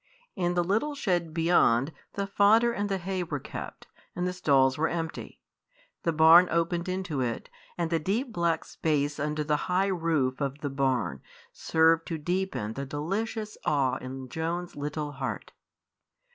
In the little shed beyond the fodder and the hay were kept, and the stalls were empty. The barn opened into it, and the deep black space under the high roof of the barn served to deepen the delicious awe in Joan's little heart.